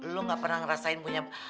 lo ga pernah ngerasain punya